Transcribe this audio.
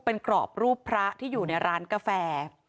เป็นกรอบรูปพระที่อยู่ในร้านกาแฟ